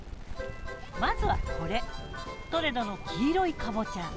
まずはこれトレドの黄色いかぼちゃ！